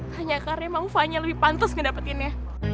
hanya karena emang vanya lebih pantes ngedapetinnya